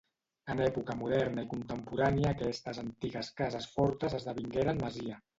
En època moderna i contemporània aquestes antigues cases fortes esdevingueren masia.